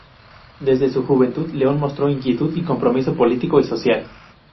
Desde su juventud León mostró inquietud y compromiso político y social.